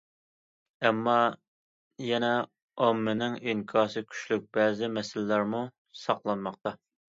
ئەمما، يەنە ئاممىنىڭ ئىنكاسى كۈچلۈك بەزى مەسىلىلەرمۇ ساقلانماقتا.